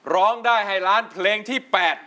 ร้องได้ให้ล้านเพลงที่๘